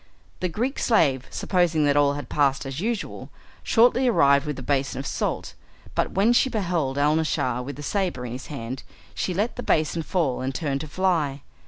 The Greek slave, supposing that all had passed as usual, shortly arrived with the basin of salt, but when she beheld Alnaschar with the sabre in his hand she let the basin fall and turned to fly.